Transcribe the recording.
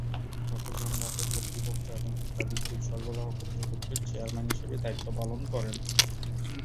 চৌধুরী চট্টগ্রাম বন্দর কর্তৃপক্ষ এবং ঢাকা বিদ্যুৎ সরবরাহ কর্তৃপক্ষের চেয়ারম্যান হিসেবে দায়িত্ব পালন করেন।